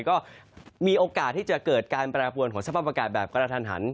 ก็มีโอกาสที่จะเกิดการแปรปวนของสภาพอากาศแบบกระทันหัน